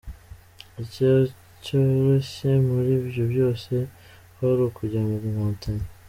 Icyari cyoroshye muri ibyo byose kwari ukujya mu nkotanyi.